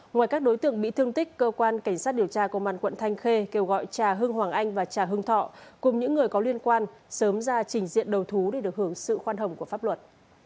ngoài các đối tượng bị thương tích cơ quan cảnh sát điều tra công an quận thanh khê kêu gọi trà hưng hoàng anh và trà hưng thọ cùng những người có liên quan sớm ra trình diện đầu thú để được hưởng sự khoan hồng của pháp luật